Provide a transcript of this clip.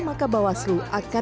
maka bawaslu akan mengangkat